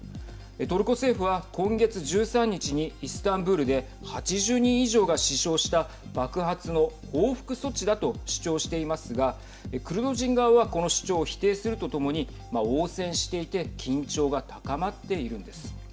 トルコ政府は、今月１３日にイスタンブールで８０人以上が死傷した爆発の報復措置だと主張していますがクルド人側はこの主張を否定すると共に応戦していて緊張が高まっているんです。